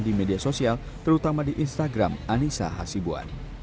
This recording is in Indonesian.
di media sosial terutama di instagram anissa hasibuan